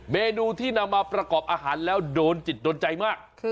เมนูที่นำมาประกอบอาหารแล้วโดนจิตโดนใจมาก